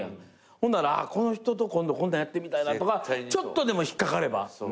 ほんならこの人と今度こんなんやってみたいなとかちょっとでも引っ掛かれば。